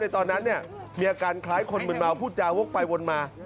ตอนนั้นเนี่ยมีอาการคล้ายคนเหมือนเมาผู้จ่าพวกไปวนมา